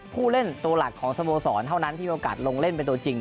ผู้เล่นตัวหลักของสโมสรเท่านั้นที่มีโอกาสลงเล่นเป็นตัวจริง